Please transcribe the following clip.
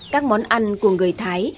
các món ăn của người thái